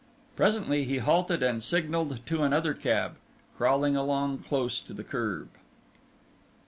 Presently he halted and signalled to another cab, crawling along close to the curb.